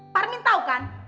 parmin tau kan